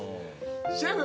シェフ！